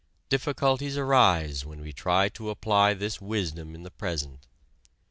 Difficulties arise when we try to apply this wisdom in the present.